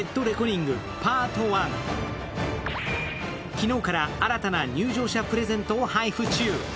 昨日から新たな入場者プレゼントを配布中。